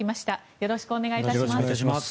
よろしくお願いします。